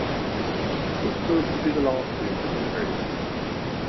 This proved to be the last win of his career.